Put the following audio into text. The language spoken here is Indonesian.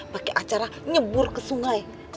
pake acara nyembur ke sungai